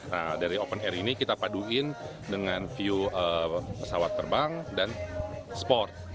nah dari open air ini kita paduin dengan view pesawat terbang dan sport